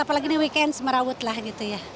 apalagi ini weekend semerawut lah gitu ya